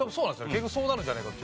結局そうなるんじゃないかと。